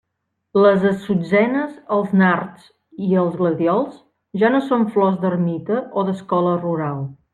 Les assutzenes, els nards i els gladiols ja no són flors d'ermita o d'escola rural.